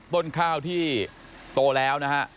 ต้นข้าวที่โตแล้วนะฮะ